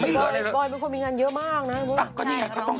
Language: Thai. บอยเป็นคนมีงานเยอะมากนะ